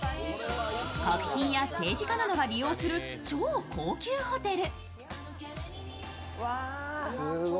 国賓や政治家などが利用する超高級ホテル。